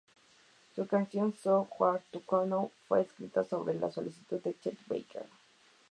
Su canción "So Hard To Know" fue escrita sobre la solicitud de Chet Baker.